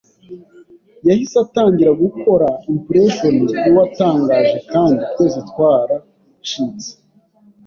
Yahise atangira gukora impression yuwatangaje kandi twese twaracitse.